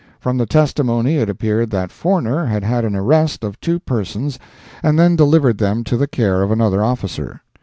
From the testimony it appeared that Forner had had an arrest of two persons and then delivered them to the care of another officer.